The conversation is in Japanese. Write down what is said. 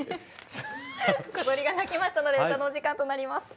小鳥が鳴きましたので歌のお時間となります。